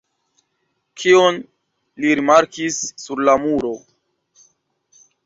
Kion li rimarkis sur la muro?